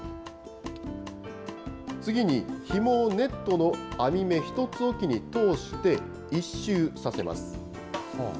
次に、ひもをネットの網目１つおきに通して、１周させます。